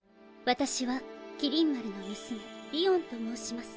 私は麒麟丸の娘りおんと申します。